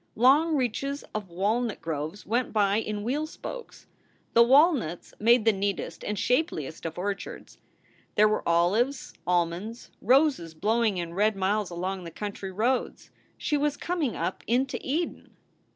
Long reaches of walnut groves went by in wheel spokes. The walnuts made the neatest and shapeliest of orchards. There were olives, almonds roses blowing in red miles along the country roads. She was coming up into Eden.